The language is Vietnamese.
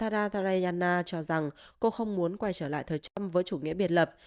anatareana cho rằng cô không muốn quay trở lại thời trump với chủ nghĩa biệt lập